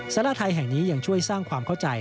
สาราไทยแห่งนี้ยังช่วยสร้างความเข้าใจ